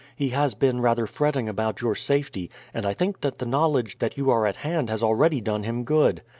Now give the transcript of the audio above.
He has been rather fretting about your safety, and I think that the knowledge that you are at hand has already done him good.